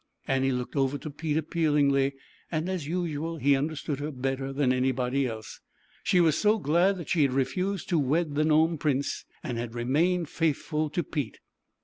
Annie looked over to Pete appealing ly, and as usual he understood her better than anybody else. She was so glad that she had refused to wed the Gnome Prince and had remained faithful to Pete.